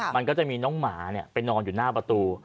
มันก็จะมีน้องหมาไปนอนอยู่หน้าประตู